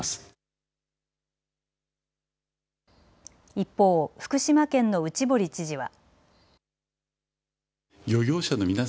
一方、福島県の内堀知事は。